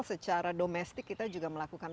secara domestik kita juga melakukan